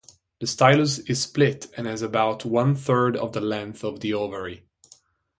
The stylus is split and has about one third the length of the ovary.